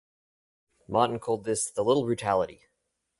Martin called this "the little brutality".